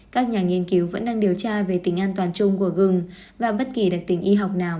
các nhà nghiên cứu vẫn đang điều tra về tính an toàn chung của gừng và bất kỳ đặc tính y học nào